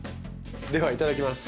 ではいただきます。